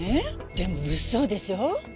でも物騒でしょ？